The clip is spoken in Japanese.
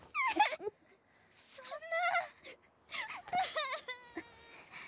そんな。